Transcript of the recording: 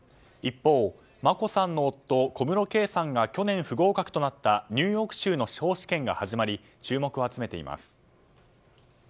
一方、眞子さんの夫小室圭さんが去年、不合格となったニューヨーク州の司法試験が始まり注目を集めています。